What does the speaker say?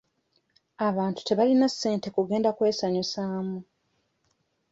Abantu tebalina ssente kugenda kwesanyusaamu.